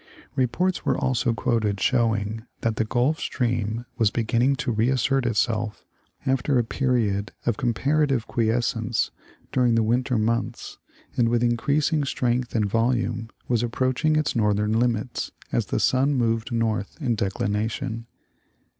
Reports were also quoted showing that the Gulf Stream was beginning to re assert itself after a period of comparative quiescence during the winter months, and with increasing strength and volume was approaching its northern limits, as the sun moved north in declination.